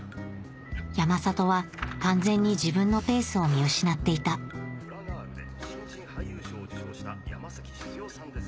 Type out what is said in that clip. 山里は完全に自分のペースを見失っていた『フラガール』で新人俳優賞を受賞した山崎静代さんです。